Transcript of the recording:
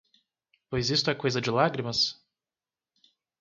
Pois isto é coisa de lágrimas?